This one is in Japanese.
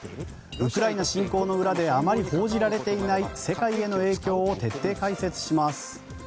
ウクライナ侵攻の裏であまり報じられていない世界への影響を徹底解説します。